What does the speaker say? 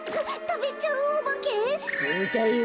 そうだよ。